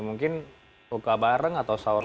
mungkin buka bareng atau sahur